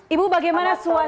ibu bagaimana suasana